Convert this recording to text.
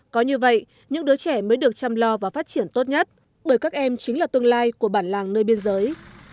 có như vậy những đứa trẻ mới được chăm lo và phát triển tốt nhất bởi các em chính là tương lai của bản làng nơi biên giới